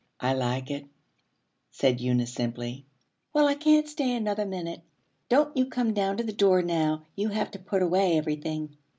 'I like it,' said Eunice simply. 'Well, I can't stay another minute. Don't you come down to the door now. You have to put away everything.